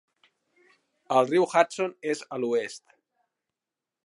El riu Hudson és a l'oest.